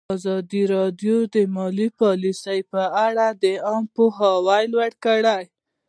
ازادي راډیو د مالي پالیسي لپاره عامه پوهاوي لوړ کړی.